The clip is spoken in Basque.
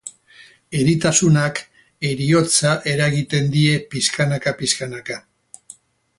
Eritasunak heriotza eragiten die pixkanaka-pixkanaka.